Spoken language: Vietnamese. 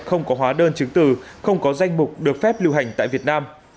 không có hóa đơn chứng từ không có danh mục được phép lưu hành tại việt nam